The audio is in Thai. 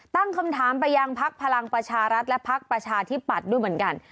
ตั้งคำถามไปยังพักพลังประชารัฐและพักประชาธิปัตย์ด้วยเหมือนกัน